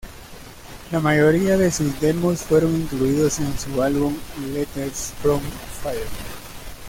La mayoría de sus demos fueron incluidos en su álbum "Letters From Fire".